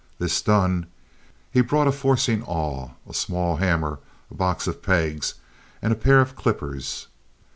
This done, he brought a forcing awl, a small hammer, a box of pegs, and a pair of clippers.